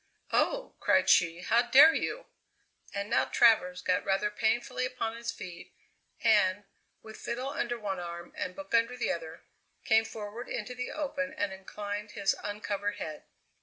"Oh!" cried she; "how dare you!" And now Travers got rather painfully upon his feet, and, with fiddle under one arm and book under the other, came forward into the open and inclined his uncovered head.